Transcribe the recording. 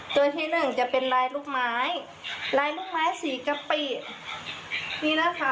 ตัวที่หนึ่งจะเป็นลายลูกไม้ลายลูกไม้สีกะปินี่นะคะ